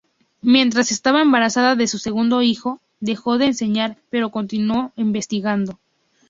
Mientras estaba embarazada de su segundo hijo, dejó de enseñar pero continuó investigando.